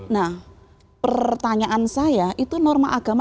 nah pertanyaan saya itu norma agama